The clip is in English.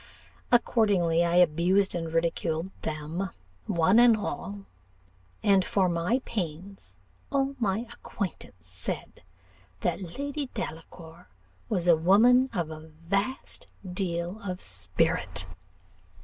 Accordingly, I abused and ridiculed them, one and all; and for my pains, all my acquaintance said, that 'Lady Delacour was a woman of a vast deal of spirit.